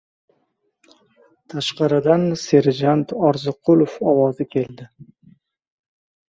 Tashqaridan serjant Orziqulov ovozi keldi: